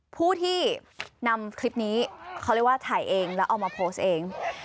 ผู้ที่นำคลิปนี้เขาเรียกว่าถ่ายเองแล้วเอามาโพสต์เอง